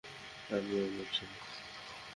আমি আপনার ছেলে।